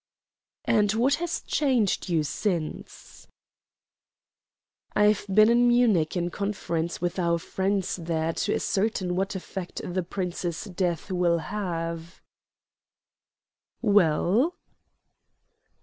"And what has changed you since?" "I've been in Munich in conference with our friends there to ascertain what effect the Prince's death will have." "Well?"